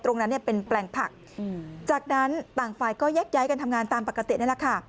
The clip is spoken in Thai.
ตรงนั้นเนี่ยเป็นแปลงผักจากนั้นต่างฝ่ายก็แยกย้ายกันทำงานตามปกตินี่แหละค่ะ